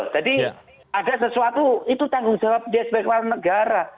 jadi ada sesuatu itu tanggung jawabnya sebagai pemerintah negara